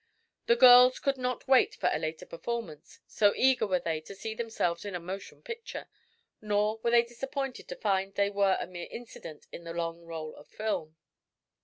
The girls could not wait for a later performance, so eager were they to see themselves in a motion picture, nor were they disappointed to find they were a mere incident in the long roll of film.